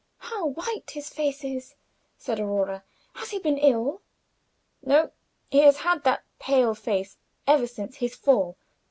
"How white his face is!" said Aurora. "Has he been ill?" "No. He has had that pale face ever since his fall.